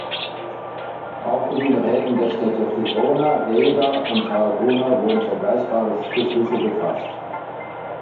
Auch in den Räten der Städte Girona, Lleida und Tarragona wurden vergleichbare Beschlüsse gefasst.